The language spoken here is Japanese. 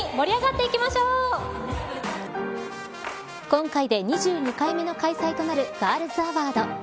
今回で２２回目の開催となるガールズアワード。